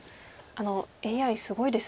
ＡＩすごいですね。